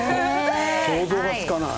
想像がつかない。